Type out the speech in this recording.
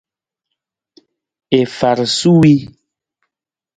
I far suwii.